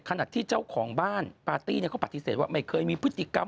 ขณะที่เจ้าของบ้านปาร์ตี้เขาปฏิเสธว่าไม่เคยมีพฤติกรรม